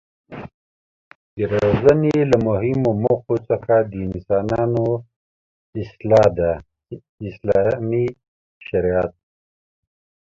د روزنې له مهمو موخو څخه د انسانانو اصلاح ده چې اسلامي شريعت